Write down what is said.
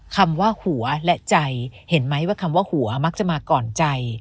คำว่าหัวและใจเห็นไหมว่าคำว่าหัวมักจะมาก่อนใจ